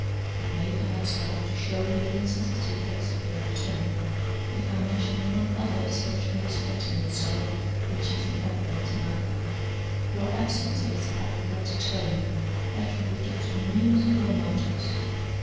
"It may, perhaps, help to show you the necessity there is for your return, if I mention one other assertion respecting yourself, which is in everybody's mouth. Your absence is, I regret to tell you, attributed to the meanest of all motives.